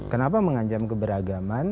kenapa mengancam keberagaman